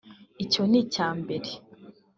icyo n’icya mbere